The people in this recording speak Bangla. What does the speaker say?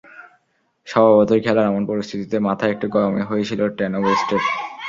স্বভাবতই খেলার অমন পরিস্থিতিতে মাথা একটু গরমই হয়ে ছিল টিনো বেস্টের।